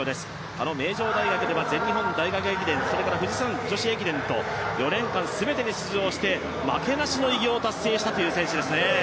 あの名城大学では全日本大学駅伝それから女子駅伝と４年間全てに出場して負けなしの偉業を達成したという選手ですね。